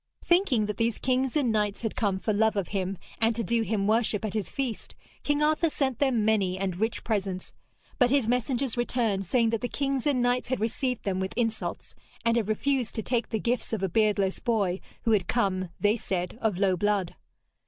Thinking that these kings and knights had come for love of him, and to do him worship at his feast, King Arthur sent them many and rich presents. But his messengers returned, saying that the kings and knights had received them with insults, and had refused to take the gifts of a beardless boy who had come, they said, of low blood.